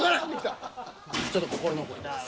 ちょっと心残りですけど。